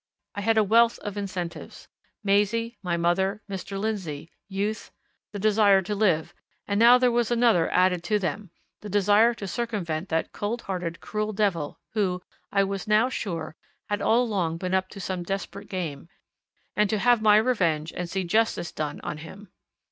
I had a wealth of incentives Maisie, my mother, Mr. Lindsey, youth, the desire to live; and now there was another added to them the desire to circumvent that cold hearted, cruel devil, who, I was now sure, had all along been up to some desperate game, and to have my revenge and see justice done on him.